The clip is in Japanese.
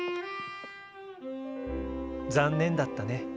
残念だったね。